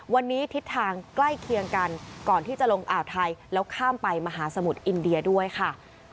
วันนี้ทิศทางใกล้เคียงกันก่อนที่จะลงอ่าวไทยแล้วข้ามไปมหาสมุทรอินเดียด้วยค่ะ